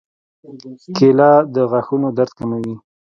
کېله د غاښونو درد کموي.